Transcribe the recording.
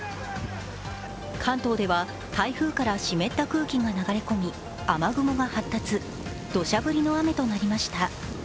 関東では台風から湿った空気が流れ込み、雨雲が発達、土砂降りの雨となりました。